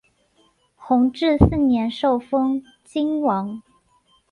弘治四年受封泾王。